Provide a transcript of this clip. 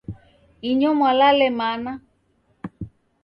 Inyo mwalale mana?